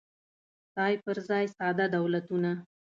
څای پر ځای ساده دولتونه